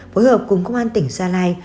phối hợp cùng công an tỉnh gia lai